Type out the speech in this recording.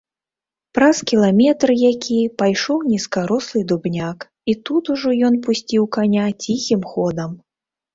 Праз кіламетр які пайшоў нізкарослы дубняк, і тут ужо ён пусціў каня ціхім ходам.